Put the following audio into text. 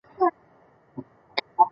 这是法国大革命的年表